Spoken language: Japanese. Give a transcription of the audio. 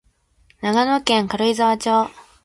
長野県軽井沢町